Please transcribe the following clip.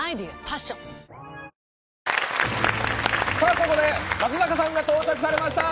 ここで松坂さんが到着されました！